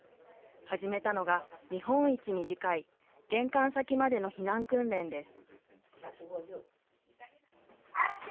始めたのが、日本一短い玄関先までの避難訓練です。